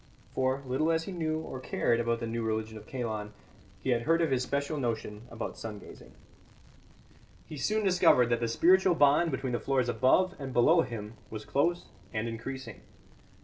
For, little as he knew or cared about the new religion of Kalon, he had heard of his special notion about sun gazing. He soon discovered that the spiritual bond between the floors above and below him was close and increasing.